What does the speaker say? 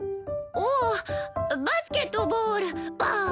おーバスケットボールバーン！